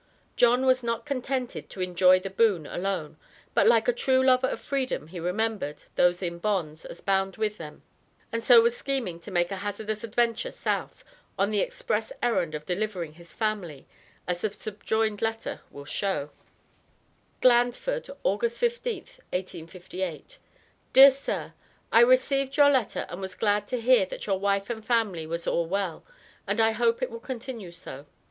John was not contented to enjoy the boon alone, but like a true lover of freedom he remembered those in bonds as bound with them, and so was scheming to make a hazardous "adventure" South, on the express errand of delivering his "family," as the subjoined letter will show: GLANDFORD, August 15th, 1858. DEAR SIR: I received your letter and was glad to hear that your wife and family was all well and I hope it will continue so.